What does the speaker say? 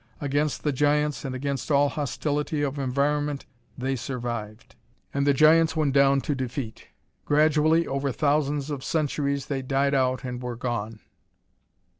Against the giants, and against all hostility of environment, they survived. And the giants went down to defeat. Gradually, over thousands of centuries, they died out and were gone....